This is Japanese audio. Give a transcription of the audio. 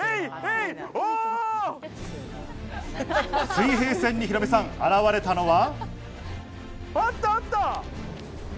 水平線にヒロミさん、現れたのは。